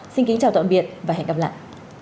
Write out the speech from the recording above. xin kính chào tạm biệt và hẹn gặp lại